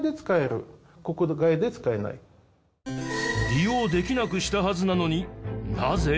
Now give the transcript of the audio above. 利用できなくしたはずなのになぜ？